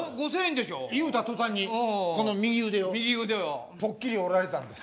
言うた途端にこの右腕をポッキリ折られたんです。